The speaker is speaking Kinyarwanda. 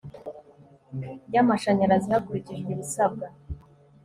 ry amashanyarazi hakurikijwe ibisabwa